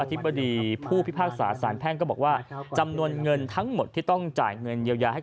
อธิบดีผู้พิพากษาสารแพ่งก็บอกว่า